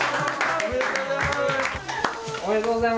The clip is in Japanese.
おめでとうございます。